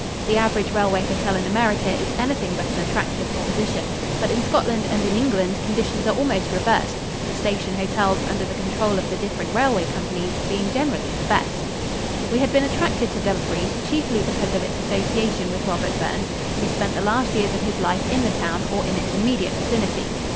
The average railway hotel in America is anything but an attractive proposition, but in Scotland and in England conditions are almost reversed, the station hotels under the control of the different railway companies being generally the best. [Illustration: ENTRANCE TO LOCH TYNE. From Water Color by Stewart.] We had been attracted to Dumfries chiefly because of its association with Robert Burns, who spent the last years of his life in the town or in its immediate vicinity.